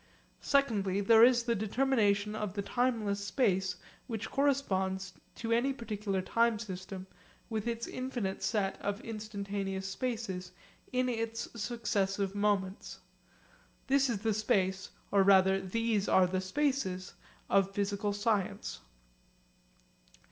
Secondly there is the determination of the timeless space which corresponds to any particular time system with its infinite set of instantaneous spaces in its successive moments. This is the space or rather, these are the spaces of physical science.